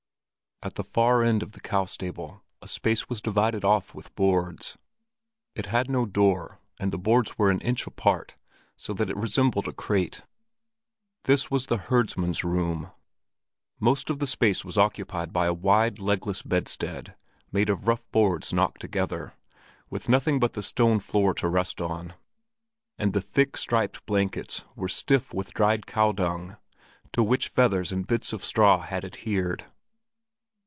At the far end of the cow stable a space was divided off with boards. It had no door, and the boards were an inch apart, so that it resembled a crate. This was the herdsman's room. Most of the space was occupied by a wide legless bedstead made of rough boards knocked together, with nothing but the stone floor to rest on. Upon a deep layer of rye straw the bed clothes lay in a disordered heap, and the thick striped blankets were stiff with dried cow dung, to which feathers and bits of straw had adhered.